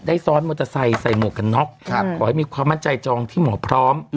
ซ้อนมอเตอร์ไซค์ใส่หมวกกันน็อกขอให้มีความมั่นใจจองที่หมอพร้อม